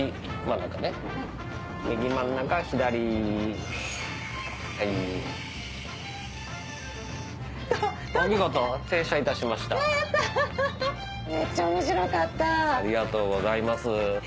ありがとうございます。